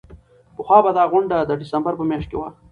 پخوا به دا غونډه د ډسمبر په میاشت کې وه.